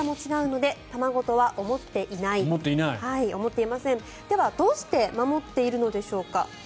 では、どうして守っているのでしょうか。